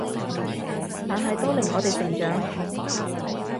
但係都令我哋成長